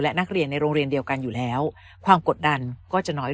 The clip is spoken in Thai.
และนักเรียนในโรงเรียนเดียวกันอยู่แล้วความกดดันก็จะน้อย